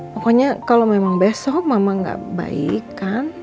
pokoknya kalau memang besok mama nggak baikan